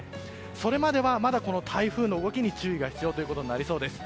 それまでは、まだ台風の動きに注意が必要になりそうです。